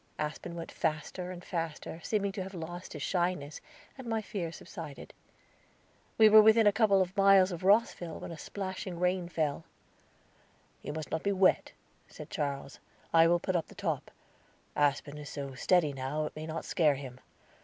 Aspen went faster and faster, seeming to have lost his shyness, and my fears subsided. We were within a couple of miles of Rosville, when a splashing rain fell. "You must not be wet," said Charles. "I will put up the top. Aspen is so steady now, it may not scare him."